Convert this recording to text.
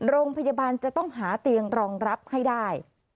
โรงพยาบาลจะต้องหาเตียงรองรับให้ได้